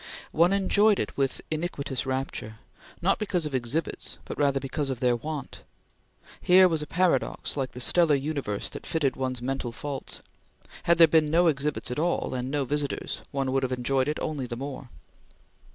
One enjoyed it with iniquitous rapture, not because of exhibits but rather because of their want. Here was a paradox like the stellar universe that fitted one's mental faults. Had there been no exhibits at all, and no visitors, one would have enjoyed it only the more.